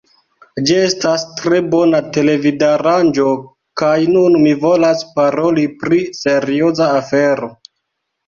Ĝi estas tre bona televidaranĝo kaj nun mi volas paroli pri serioza afero